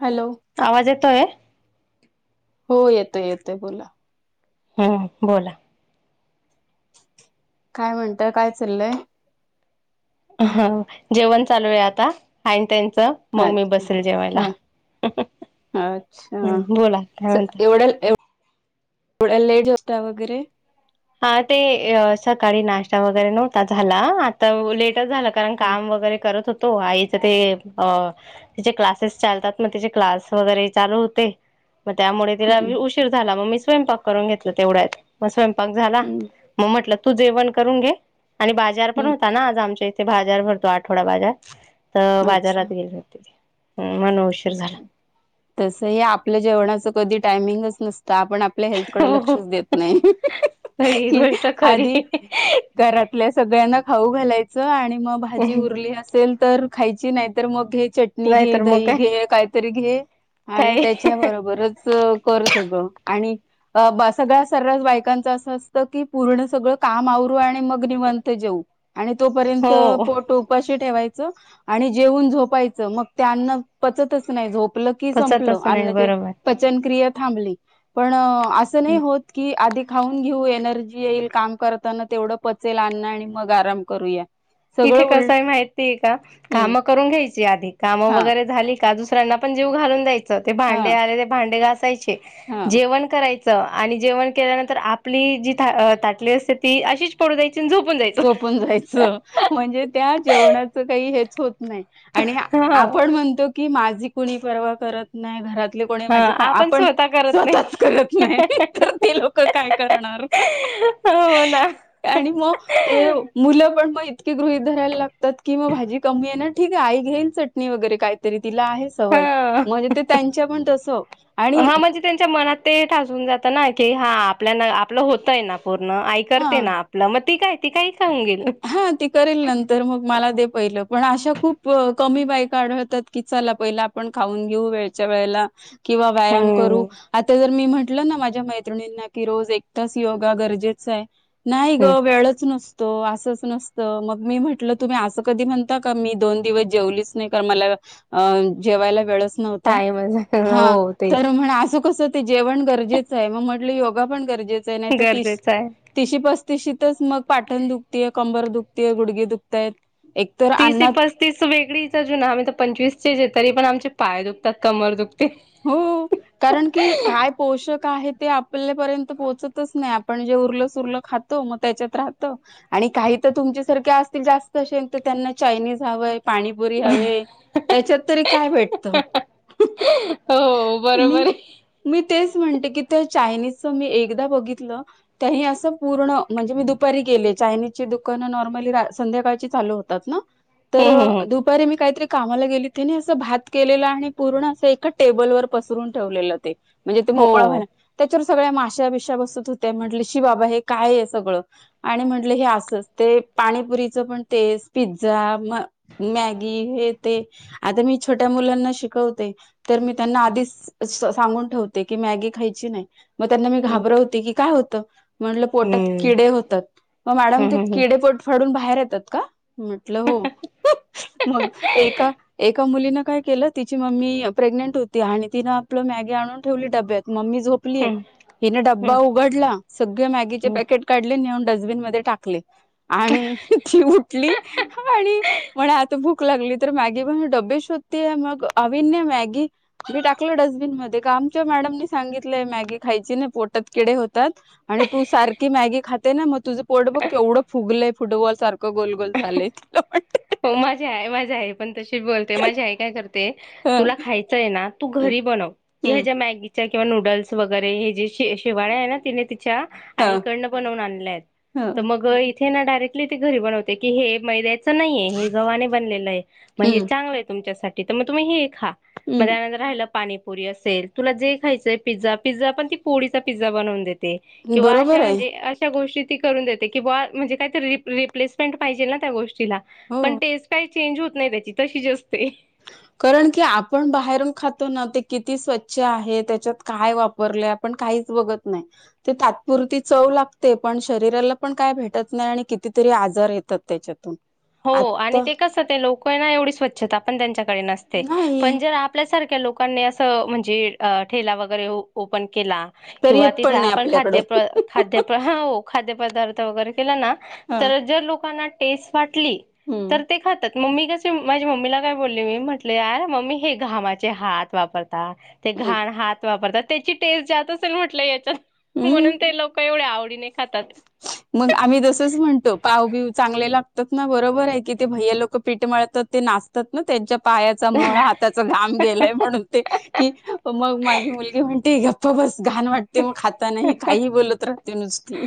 Hello. आवाज येतोय. हो येतोय येतोय बोला. हम् बोला. काय म्हणत काय चाललय. हा जेवण चालू आहे आता अईन त्यांचं मग मी अच्छा बसेल जेवायला हा हम् बोला काय म्हणता. होडल एफ [inaudible] वगैरे हा ते सकाळी नाश्ता वगैरे नव्हता झाला आता लेट. झालं कारण हम्म काम वगैरे करत होतो आईच ते अ तिचे क्लासेस चालतात मग तिचे क्लास वगैरे चालू होते. मग त्यामुळे तिला हम्म उशीर झाला मग मी स्वयंपाक करून घेतलं तेवढ्यात मग स्वयंपाक झाला हम्म मग म्हटलं तू जेवण करून घे आणि बाजार पण हम्म होता ना आज आमच्या इथे ते बाजार भरतो आठवडा बाजार तर अच्छा बाजारात गेले होते मन उशीर झाला. तस हे आपल्या जेवणाच कधी टायमिंगच नसतं आपण आपल्या हेल्थ कड हो हो. लक्षच देत नाही ही की गोष्ट खरी आधी घरातल्या सगळ्यांना खाऊ घालायचं आणि मग भाजी उरली असेल तर खायची नाही तर मग घे चटणी घे नाहीतर मग दही काय घे काहीतरी घे आणि त्याच्या काय बरोबरच कर सगळं आणि अ बा सगळ्या सर्व बायकांच असं असतं की पूर्ण सगळं काम आवरू आणि मग निवांत जेऊ आणि तोपर्यंत हो पोट उपाशी ठेवायचं आणि जेवून झोपायचं मग त्यांना पचतच नाही झोपलं की संपलं पचतच नाही अन्नाचे बरोबर पचनक्रिया थांबली पण असं नाही होत की आधी खाऊन घेऊ एनर्जी येईल काम करताना तेवढं पचेल अन्न आणि मग आराम करूया सगळं इथे कसं उलट आहे माहितीय का हम्म कामं करून घ्यायची आधी काम हा वगैरे झाली का दुसऱ्यांना पण जीव घालून द्यायच ते हा भांडे आलेले ते भांडे घासायचे हा जेवण करा च आणि जेवण केल्यानंतर आपली जी ताटली असते ती अशीच पडू द्यायची आणि झोप झोपून जायचं म्हणजे त्या जेवणाचं काही हेच होत नाही आणि ह आपण म्हणतो की माझी कुणी पर्वा करत नाही घरातले कोणी ह माझे काय आपण स्वतः करत स्वतःच नाही करत नाही तर ते लोक काय करणार? हो ना. आणि मग ते मुलं पण मग इतके गृहित धरायला लागतात की मग भाजी कमी आहे ना ठीक आहे आई घेईन च. वगैरे काहीतरी तिला आहे सवय हा म्हणजे ते त्यांच्या पण तस आणि हा म्हणजे त्यांच्या मनात ते ठासून जात ना की हा आपल्या आपलं होतय ना पूर्ण आई हा करते ना. आपला मग ती काय त काही खाऊन गेलं. हा ती करेल नंतर मग मला दे पहिलं पण अशा खूप कमी बायक आढळतात की चला पहिलं आपण खाऊन घेऊ वेच्या वेळेला किंवा व्यायाम करू हम्म आता जर तर मी म्हंटलं ना माझ्या मैत्रिणींना की रोज एक तास योगा गरजेच आहे नाही हम्म ग वेळच नसतो असच नसत मग मी म्हंटलं तुम्ही असं कधी म्हणता का मी दोन दिवस जेवलीच नाही कार मला अ जेवायला वेळच नव्हता टाइमच हा हो तर तेच म्हण अस कस ते जेवण गरजेचं आहे मग म्हटली योगा पण गरजेचं आहे नाही तर तीस गरजेचं आहे. तिशी पस्तीसशीतच मग पाटण दुखतेय कंबर दुखतेय गुडगे दुखतायत एक तिशी पस्तीस वेगळीच अजून आमही तर पंचवीस चेच तरी पण आमचे पाय दुखतात कमर दुखते हो कारण की काय पोषक आहे ते आपल्यापर्यंत पोहोचतच नाही आपण जे उरलं सुरलं खातो मग त्याच्यात राहत आणि काही तर तुमच्यासारखे असतील जास्त असे तर त्यांना चायनीज हवंय पाणीपुरी हवे त्याच्यात तरी काय भेटतं हो बर बरोबर मी तेच म्हणते की ते चायनीजच मी एकदा बघितलं तेही असं पूर्ण म्हणजे मी दुपारी गेले चायनीजची दुकानं नॉर्मली संध्याकाळची चालू होतात त्याात ना तर हम्म हम्म दुपारी मी काहीतरी कामाला गेली तेनी असं भात केलेला आणि पूर्ण असं एकाच टेबल वर पसरून ठेवलेलं ते म्हणजे ते मोकळा हो. झाला त्याच्यावर सगळ्या माशा बिश्या बसत होत्या म्हटले शी बाबा हे काय आहे सगळं आणि म्हटलं हे असच ते पाणीपुरीच पण तेस पिझ्झा म मॅगी हे ते आता मी छोट्या मुलांना शिकवते तर मी त्यांना आधीच सांगून ठेव की मॅगी खायची नाही मग त्यांना मी हम्म घाबरवते की काय होत म्हंटलं हम्म पोटात किडे होतात मग मॅडम ते हम्म हम्म किडे पोट फाडून बाहेर येतात का म्हटलं हो मग एका एका मुलीनं काय केलं तिची मम्मी प्रेग्नेंट होती आणि तिनं आपलं मॅगी आणून ठेवली डब्यात मम्मी झोप हम्म हम्म. हिने डब्बा उघडला सगळे मॅगीचे हम्म पॅकेट काढले नेऊन डस्टबिन मध्ये टाकले आणि ती उठली आणि म्हणा आता भुक लागली तर मॅगी पण डबी श होधती मग अभन्य मॅगी मी टाकलोडस्बिनमध्येध्ये का आमच्या मॅडमनी सांगितलंय मॅगी खायची नाही पोटात किडे होतात आणि तू सारखी मॅगी खाते ना मग तुझं पोट बघ एवढं फुगलंय फुटबॉल सारखं गोलगोल झाले प हो माझी आय माझ्या आई पण तशीच बोलते माझी आई काय करते ह तुला खायचं आहे ना तू घरी बनव ह्या हम्म ज्या मॅगीच्या किंवा नूडल्स वगैरे हे जे शेवा आहे ना तिने ह आईकडन पणऊन आणय तर ह मग थ ना डायरेक्टली ते घरी बनवते की हे मैद्याच नाहीे हे गवा्हाने बनलेलं आहे मग हे हम्म चांगलं आहे तुमच्यासाठी तर मग तुम्ही हे खा मग हम्म त्यानंतर राहिला पाणीपुरी असेल तुला जे खायचय पिझ्झा पिझ्झ पण ती पोळीचा पिझा बनवून देते बरोबर किंवाशा आहे म्हणजे गोष्टी ती करून देते किं म्हणजे काय रिप्लेसमेंट पाहिजे ना त्या गोष्टीला हो पण टेस्ट काही चेंज होत नाही त्याची तशी जास्ते [unintelligible] कारण की आपण बाहेरून खातो ना ते किती स्वच्छ आहे त्याच्यात काय वापरले. पण काहीच बघत नाही. ते तात्पुरती चव लागते पण शरीराला पण काय भेटत नाही आणि कितीतरी आजार येतात त्याच्यातून हो आणि आता ते कस ते लोक ना एवढी स्वच्छता पण त्यांच्याकडे नसते नाही पण जर आपल्यासारख्या लोकांनी असं म्हणजे ठेला वगैरे ओपन केला. तरी किंवा येत तिथे पण आप नाही आपण आपल्याकडं खाद्य खाद्य हो खाद्यपदार्थ वगैरे केला ना हं, तर जर लोकांना टेस्ट वाटली. तर हं, ते खात. मम्मी कसे माझी मम्मीला काय बोलली मी म्हटले यार मम्मी हे घामाचे हात वापरत. ते हं, घाण हात वापरतात त्याची टेस्ट जात असेल म्हटलं याच्यात म्हणून हं. ते लोक एवढ्या आवडीने खातात. मग आम्ही जसच म्हणतो पाव बिव चांगले लागतात ना बरोबर आहे की ते भहय्या लोक पीठ मळतात ते नाचत. त्यांच्या पायाचा मळ हाताचा घाम गेलाय म्हणून ते कि मग माझी मुलगी म्हणते ग. हो बस घाण वाटते मग खाताना काही बोलत राहते नुसती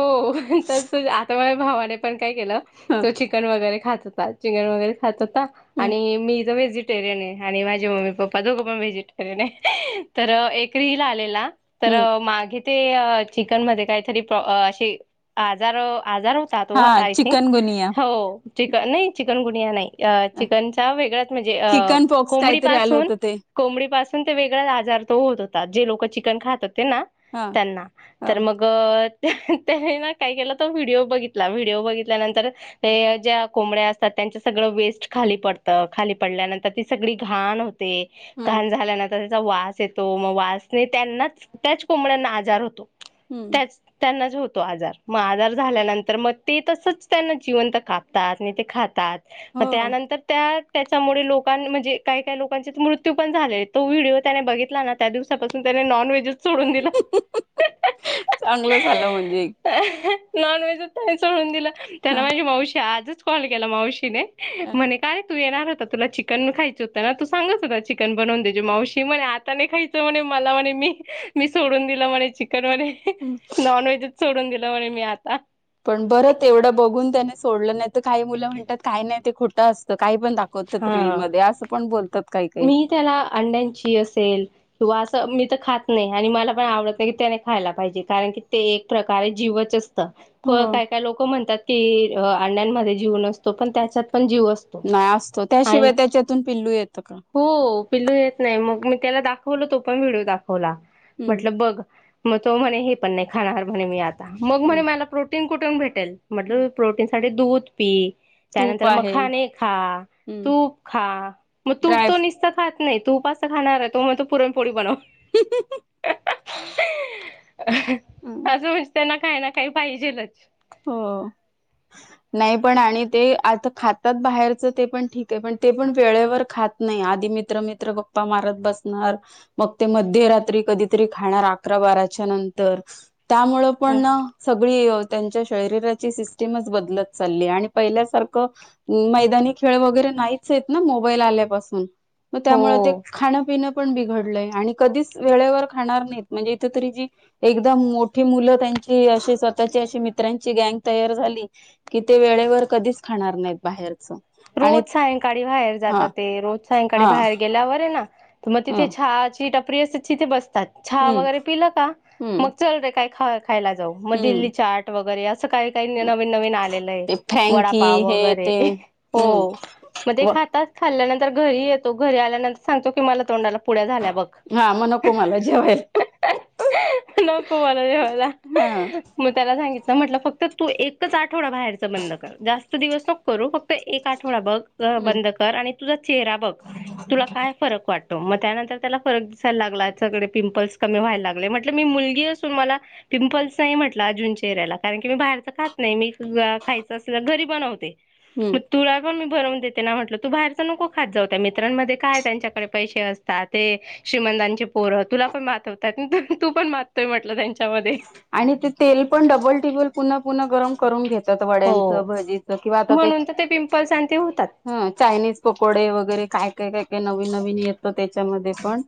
हो तस आता माझ्या भावाने पण काय केलं हं, तो चिकन वगैरे खाततात. चिकन वगैरे खात होता हं, आणि मी व्हेजिटेरियन आहे आणि माझे मम्मी पप्पा दोघं पण व्हेजिटेरियन आहे तर एकरीला आलेला. तर हं. मागे ते चिकन मध्ये काहीतरीे आजार आजार होता तो हा आय थिंक चिकनगुनिया हो चिकन नाही चिकन गुणिया नाही. अ चिकन चा वेगळाच म्हणजे अ चिकन पॉक्स कोंबडी काहीतरी आलं पासून होतं ते कोंबडी पाासून ते वेगळेच आजार तो होत होताात जे लोक चिकन खात होते ना. हं, त्यांना तर हं, मग त्यानी ना काय केलं तो व्हिडिओ बघितला व्हिडिओ बघितल्यानंतर ते ज्या कोंबड्या असतात त्यांच सगळं वेस्ट खाली पडतं खाली पडल्यानंतर ती सगळी घाण होते. हं, घाण झाल्यानंतर त्याचा वास येतो मग वासने त्यांनाच त्याच कोंबड्यांना आजार होतो. हं. त्यांनाच होत. तो आजार मग आजार झाल्यानंतर मग ते तसच त्यांना जिवंत कापतात आणि ते खातात. हो मग त्यानंतर त्या त्याच्यामुळे लोकां म्हणजे काही काही लोकांचे मृत्यू पण झाले तो व्हिडिओ त्याने बघितला ना त्या दिवसापासून त्याने नॉन व्हेजच सोडून दिला. चांगलं झालं म्हणजे नॉन व्हेजत नाही सोळून दिलं त्याला हं. माझी मावशी आजच कॉल केला मावशीने म्हणे काय? तू येणार होता तुला चिकन भी, खायचं होतं तू सांगत होता चिकन बनवून द्यायची मावशी म्हणे आता आताने खायच म्हणे मला म्हणे मी मी सोडून दिलं म्हणे चिकन म्हणे. हम्म. नॉन व्हेजच सोडून दिलं म्हणे मी आता पण बरं तेवढं बघून त्याने सोडलं नाही तर काही मुलं म्हणतात काय नाही ते खोटं असतं काही पण दाखता. प्रत्येक रील हा मध्ये असे पण बोलतात काय काय? मी त्याला अंड्यांची असेल. तू असं, मी तर खात नाही आणि मला पण आवडत नाही की त्याने खायला पाहिजे कारण की ते एक प्रकारे जीवच असतं. होय हो. काय काय लोक म्हणतात की अंड्यांमध्ये जीव नसतो पण त्याच्यात पण जीव असतो. नाही असतो आणि त्याशिवाय त्याच्यातून पिल्लू येतं का? हो पिल्लू येत नाही मग मी त्याला दाखवल तो पण व्हिडिओ दाखवला हम्म म्हटलं बघ. मग तो म्हणे हे पण नाही खाणार म्हणे मी आता मग म्हणे हम्म मला प्रोटीन कुठून भेटेल. हम्म म्हटलं प्रोटीन साठी दूध पी तूप त्यानंतर आहे मखाने खा हम्म तूप खा मग तूप ड्राय तसं खात नाही तूप तर खाणार तो म्हणतो पुरणपोळी बनव. अ आजू म्हसते ना. काय ना काही पाहिजेलच हो नाही पण आणि ते आता खातात बाहेरचं ते पण ठीक आहे पण ते पण वेळेवर खात नाही आधी मित्र मित्र गप्पा मारत बसणार मग ते मध्यरात्री कधीतरी खाणार अकरा बाराच्या नंतर त्यामु पण सगळी त्यांच्या शरीराची सिस्टीमच बदलत चालली आणि पहिल्यासारखं मैदानी खेळ वगैरे नाहीच आहेत ना मोबाईल आल्यापासून त्यामुळे ते हो खाणं पिणं पण बिघडलंय आणि कधीच वेळेवर खाणार नाहीत म्हणजे इथ तरी जी एकदम मोठी मुलं त्यांची अशी स्वतःची अशी मित्रांची गँग तयार झाली की ते वेळेवर कधीच खाणार नाहीत बाहेरच आणि रोज सायंकाळी बाहेर हा जातात ते रोज सायंकाळी हा बाहेर गेल्यावर हे ना तर मग ह तिथ चहाची, टपरी, असते, तिथे बसतात चहा हम्म वगैरे पिलं का हम्म मग चल रे काय ख खायला जाऊ म दिल्ली हम्म चाट वगैरे असं काय का हीनवीन नवीन आलेलय ते फ्रँकी वडापाव हे वगैरे ते हो हम्म मग ते व खातात तस््खल्ल्यानंतर घरी येतो घरी आल्यानंतर सांगतो की मला तोंडाला पुळ्या झाल्या बघ हा मग नको मला जेवायला नको मला जेवायला हा मग त्याला सांगितलं म्हटलं फक्त तू एकच आठवडा बाहेरच बंद कर जास्त दिवस नको करू फक्त फक्त एक आठवडा बघ हम्म बंद कर आणि तुझा चेहरा बघ तुला काय फरक वाटत मग त्यानंतर त्याला फरक दिसायला लागला सगळे पिंपल्स कमी व्हायला लागले म्हटल मी मुलगी असून मला पिंपल्स नाही म्हटला अजून चेहऱ्याला कारण की मी बाहेरच खात नाही मी खायचं असेल घरी बनवते हम्म मग तुला पण मी भरवून देते ना म्हटलं तू बाहेरच नको खात जाऊ मित्रांमध्ये काय त्यांच्याकडे पैसे असतात ते श्रीमंतांची पोर तुला पण माजवतात तू पण माजतोय म्हटलंत्यांच्यामध्ये आणि ते तेल पण डबल टिबल पुन्हा पुन्हा गरम करून घेत हो वड्यांचं भजीच किंवा आता ते म्हणून तर पिंपल्स आणि ते होतात ह चायनीज पकोडे वगैरे काय काय काय काय नवीन नवीन येतं त्याच्यामध्ये पण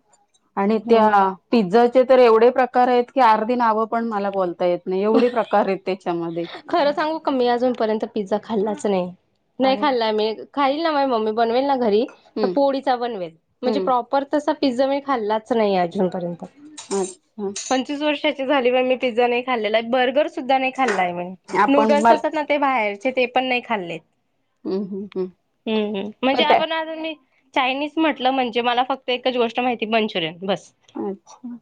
आणि हम्म. त्या पिझ्झाचे तर एवढे प्रकार आहेत की अर्धी नाव, मला बोलत येत नाही एवढे प्रकार आहेत त्याच्यामध्ये खरं सांगू क मी अजूनपर्यंत पिझ्झा खाल्लाच नाही नाही अरे खाल्ला मी खाईल ना माही, मम्मी बनवेल ना घरी तर हम्म पोळीचा बनवेल म्हणजे प्रॉपर तसा पिझ्झा खाल्लास नाही अजून पर्यंत हम्म पंचवीस वर्ष किती दिवस झाले मी पिझ्झा नाही खाल्ला बर्गर सुद्धा नाही खाल्ला अच्छा आपण नूडल्स मल तसं तर ते बाहेरचे ते पण नाही खाल्लेत हम्म हम्म हम्म हु, हु पण म्हणजे त्या आपण अजून बी चायनीज म्हटलं म्हणजे मला फक्त एकच गोष्ट माहिती मंचुरियन बस अच्छा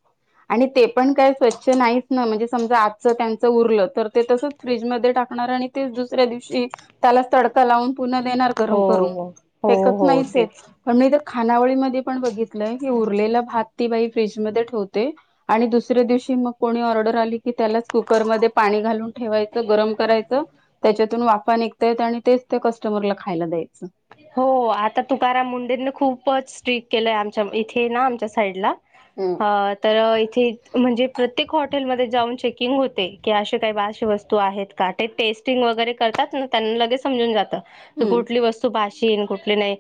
आणि ते पण काय स्वच्छ नाहीच ना म्हणजे समजा आजच त्यांचं उरलं तर ते तसं फ्रीज म टाकणार आणि ते दुसऱ्या दिवशी त्याला तडका लावून पुन्हा देणार हो करम करून हो हो फेकत हो नाहीचेत तेच. पण मी तर खानावळीमध्ये पण बघितलंय की उरलेला भात ती बाई फ्रीजमध्ये ठेवते आणि दुसऱ्या दिवशी मग कोणी ऑर्डर आली की त्यालाच कुकरमध्ये पाणी घालून ठेवायचं गरम करायचं त्याच्यातून वाफा निघता य आणि तेच त्या कस्टमरला खायला द्यायच हो आता तुकाराम मुंडेंने खूपच स्ट्रीक केलंय आमच्या इथे ना आमच्या साईडला ह तर इथे म्हणजे प्रत्येक हॉ हॉटेलमध्येध्ये जाऊन चेकिंग होते की अे काही बाशे वस्तू आहेत का तेे टेस्टिंग वगैरे करतात ना ना लगेच समजून जात हम्म कुठली वस्तू भाष कुठली नाही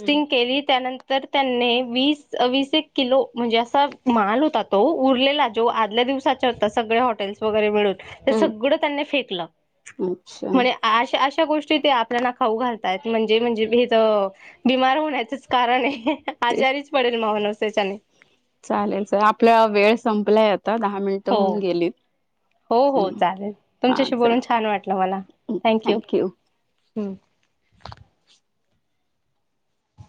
हम्म केली त्यानंत तर त्यांनी वीस वीस एक किलो म्हणजे असा माल होता तो उरलेला जो आदल्या दिवसाात हो सगळे हॉटेल्स वगैरे मिळून ते हम्म सगळं त्यांनी फेकलं अच्छा म्हणजे अशा अशा गोष्टी ते आपल्याला खाऊ घालतायत म्हणजे म्हणजे हे तर बीमार होण्याचच कारण आहे तेच आजारीच पडेल माहन त्याच्याने चालेल आपल्याला वेळ संपलाय आता दहा मिनटं हो होऊन गेली हो हो चालेल तुमच्याशी बोलून छान वाटलं मला थँक यू थँक्यू